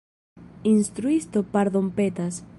Instruisto pardonpetas.